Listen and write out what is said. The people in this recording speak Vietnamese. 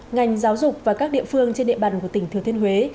ngành giáo dục và các địa phương trên địa bàn của tỉnh thừa thiên huế